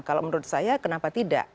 kalau menurut saya kenapa tidak